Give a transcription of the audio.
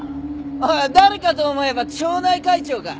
誰かと思えば町内会長か。